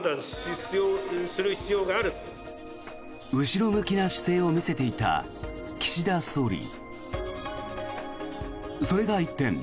後ろ向きな姿勢を見せていた岸田総理。